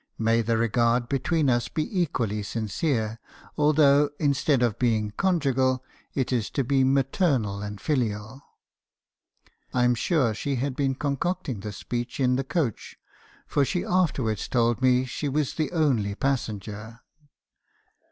May the regard between us be equally sincere, although, instead of being conjugal , it is to be maternal and filial !' "I am sure she had been concocting this speech in the coach, for she afterwards told me she was the only passenger.